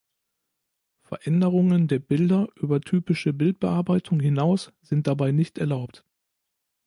Veränderungen der Bilder über typische Bildbearbeitung hinaus sind dabei nicht erlaubt.